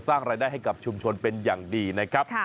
สร้างรายได้ให้กับชุมชนเป็นอย่างดีนะครับ